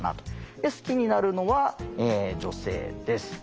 で好きになるのは女性です。